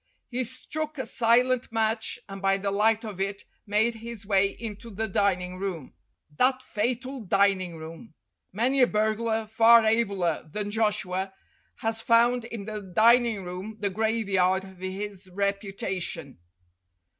He struck a silent match, and by the light of it made his way into the dining room. That fatal dining room! Many a burglar far abler than Joshua has found in the dining room the graveyard of his reputation.